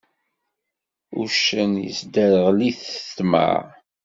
Uccen, yesderγel-it ṭṭmeε.